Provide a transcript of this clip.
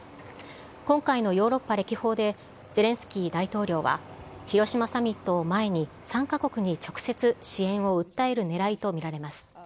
今回のヨーロッパ歴訪で、ゼレンスキー大統領は広島サミットを前に参加国に直接支援を訴えるねらいと見られます。